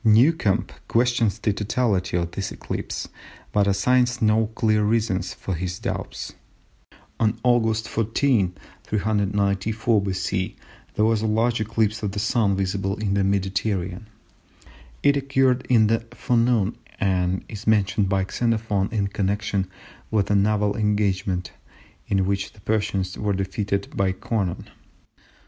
Newcomb questions the totality of this eclipse, but assigns no clear reasons for his doubts. On August 14, 394 B.C., there was a large eclipse of the Sun visible in the Mediterranean. It occurred in the forenoon, and is mentioned by Xenophon in connection with a naval engagement in which the Persians were defeated by Conon.